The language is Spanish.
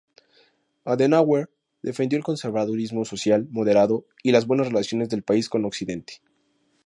Adenauer defendió el conservadurismo social moderado y las buenas relaciones del país con Occidente.